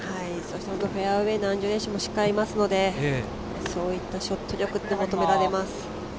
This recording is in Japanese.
フェアウエーのアンジュレーションもしっかりありますのでそういったショットも求められます。